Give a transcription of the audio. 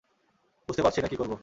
বুঝতে পারছিনা কী করব।